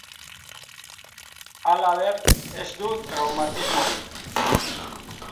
Halaber, ez du traumatismorik.